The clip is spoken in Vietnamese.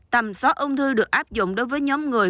tầm xóa ung thư được áp dụng đối với nhóm người